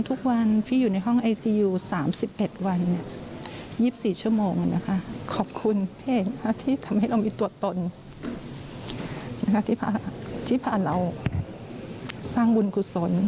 ที่พาเราสร้างบุญกุศล